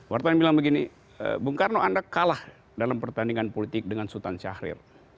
wartawan bilang begini bung karno anda kalah dalam pertandingan politik dengan sultan syahrir